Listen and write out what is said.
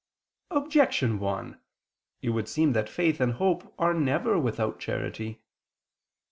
Objection 1: It would seem that faith and hope are never without charity.